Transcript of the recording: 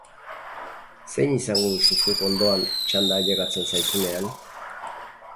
Zein izango duzu zuk ondoan txanda ailegatzen zaizunean?